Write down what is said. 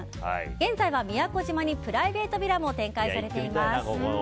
現在は宮古島にブライベートヴィラも展開されています。